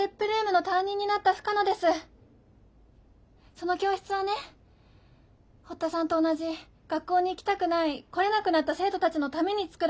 その教室はね堀田さんと同じ学校に行きたくない来れなくなった生徒たちのために作られたの。